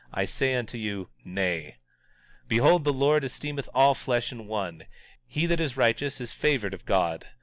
I say unto you, Nay. 17:35 Behold, the Lord esteemeth all flesh in one; he that is righteous is favored of God.